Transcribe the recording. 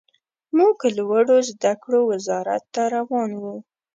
موږ لوړو زده کړو وزارت ته روان وو.